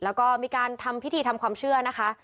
แล้วก็มีการทำพิธีทำความเชื่อนะคะ